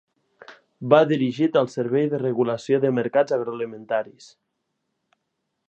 Va dirigit al Servei de Regulació de Mercats Agroalimentaris.